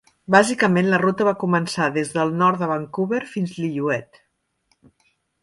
Bàsicament la ruta va començar des del nord de Vancouver fins Lillooet.